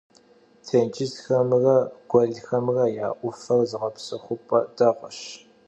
Têncızxemre guelxemre ya 'Ufexer zığepsexup'e değueş.